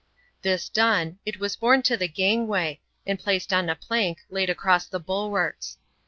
This done, it was borne to the gangway, and placed on a plank laid across the bulwarks.